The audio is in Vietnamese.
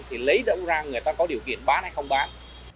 thì lấy rộng ra người ta có điều kiện bán hay không bán